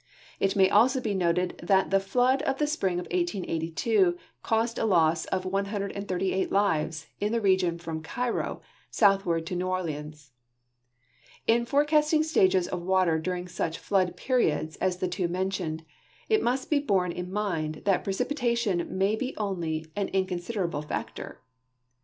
It may also be noted that the flood of the spring of 1882 caused a lo.ss of 138 lives in the region from Cairo southward to New Orleans. In forecasting stages of water during such flood j)eriods as the two mentioned, it must be borne in mind that precipitation may be onU' an inconsiderable factor.